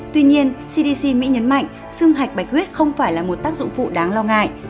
tuy nhiên cdc mỹ nhấn mạnh xương hạch bạch bạch huyết không phải là một tác dụng phụ đáng lo ngại